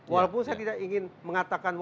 walaupun saya tidak ingin mengatakan